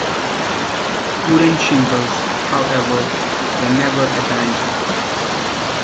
Wooden shingles, however, were never abandoned.